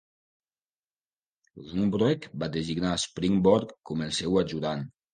Langbroek va designar Springborg com el seu ajudant.